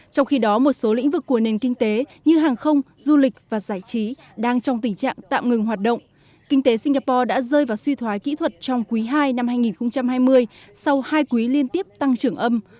trong khi đó một số lĩnh vực của nền kinh tế như hàng không du lịch và giải trí đang trong tình trạng tạm ngừng hoạt động kinh tế singapore đã rơi vào suy thoái kỹ thuật trong quý ii năm hai nghìn hai mươi sau hai quý liên tiếp tăng trưởng âm